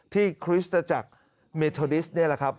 คริสตจักรเมทอดิสนี่แหละครับ